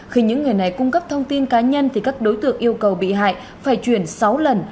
khi những người này cung cấp thông tin cá nhân thì các đối tượng yêu cầu bị hại phải chuyển sáu lần